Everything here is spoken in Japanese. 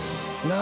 何？